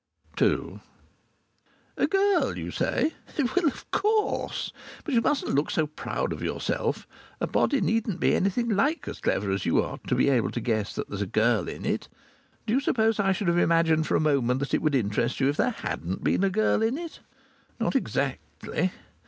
II A girl, you say? Well, of course. But you mustn't look so proud of yourself. A body needn't be anything like so clever as you are to be able to guess that there's a girl in it. Do you suppose I should have imagined for a moment that it would interest you if there hadn't been a girl in it? Not exactly!